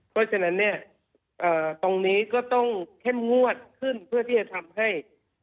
เพราะฉะนั้นเนี่ยตรงนี้ก็ต้องเข้มงวดขึ้นเพื่อที่จะทำให้